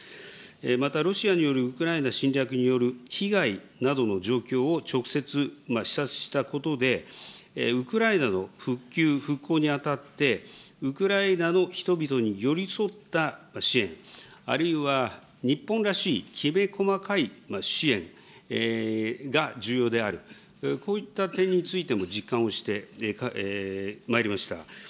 また、ロシアによるウクライナ侵略による被害などの状況を直接視察したことで、ウクライナの復旧・復興にあたって、ウクライナの人々に寄り添った支援、あるいは、日本らしいきめ細かい支援が重要である、こういった点についても実感をしてまいりました。